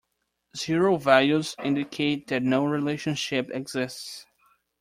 Zero values indicate that no relationship exists.